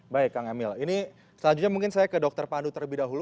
baik kang emil ini selanjutnya mungkin saya ke dokter pandu terlebih dahulu